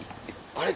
あれ？